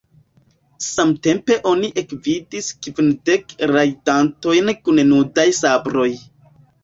Samtempe oni ekvidis kvindek rajdantojn kun nudaj sabroj.